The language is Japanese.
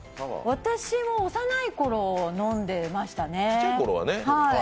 私も幼いころは飲んでましたね。